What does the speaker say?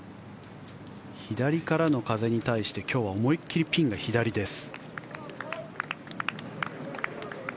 左からの風に対して今日は思い切りピンが左です。